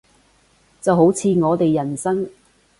就好似我哋人生